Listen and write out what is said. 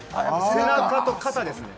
背中と肩ですね